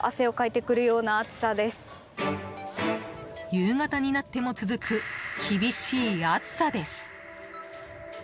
夕方になっても続く厳しい暑さです。